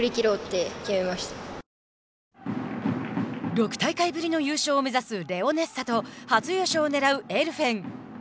６大会ぶりの優勝を目指すレオネッサと初優勝をねらうエルフェン。